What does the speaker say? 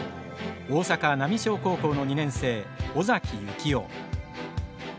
大阪・浪商高校の２年生尾崎行雄。